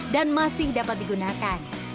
dan masih dapat digunakan